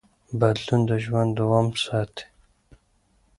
بدلون د ژوند دوام ساتي.